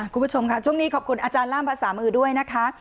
คุณผู้ชมค่ะช่วงนี้ขอบคุณอาจารย์ล่ามภาษามือด้วยนะคะ